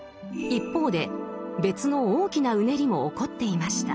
一方で別の大きなうねりも起こっていました。